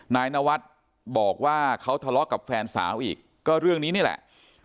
นายนวัฒน์บอกว่าเขาทะเลาะกับแฟนสาวอีกก็เรื่องนี้นี่แหละ